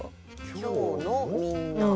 「今日のみんな」。